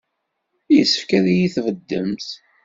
Yessefk ad iyi-tbeddemt.